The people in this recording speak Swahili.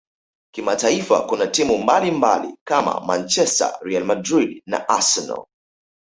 kimataifa kuna timu mbalimbali kama manchester real Madrid na arsenal